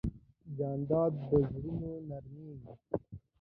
جانداد د زړونو نرمیږي.